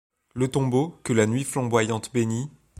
Le tombeau, que la nuit flamboyante bénit